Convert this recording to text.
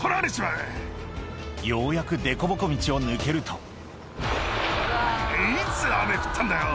ようやくでこぼこ道を抜けるといつ雨降ったんだよ。